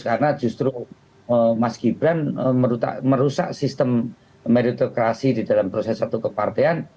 karena justru mas gibran merusak sistem meritokrasi di dalam proses satu kepartean